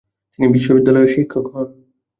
তিনি বিদ্যালয়ের শিক্ষক হন।